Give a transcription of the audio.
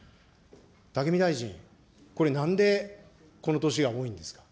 武見大臣、これ、なんでこの年が多いんですか。